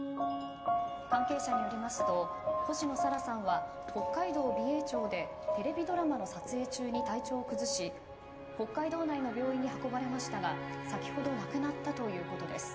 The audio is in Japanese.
関係者によりますと星野沙羅さんは北海道美瑛町でテレビドラマの撮影中に体調を崩し北海道内の病院に運ばれましたが先ほど亡くなったということです。